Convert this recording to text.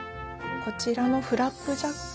こちらのフラップジャック。